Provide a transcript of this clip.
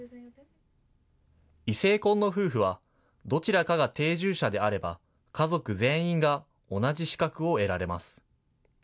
異性婚の夫婦は、どちらかが定住者であれば、家族全員が同じ資格を得られます。